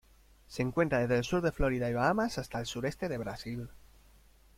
Se encuentra desde el sur de Florida y Bahamas hasta el sureste del Brasil.